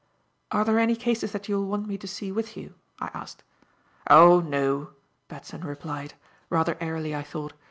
"Are there any cases that you will want me to see with you?" I asked. "Oh, no," Batson replied, rather airily I thought.